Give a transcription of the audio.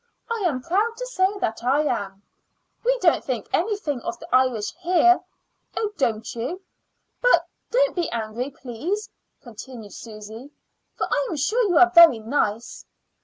"I am proud to say that I am." "We don't think anything of the Irish here." "Oh, don't you?" "But don't be angry, please," continued Susy, "for I am sure you are very nice."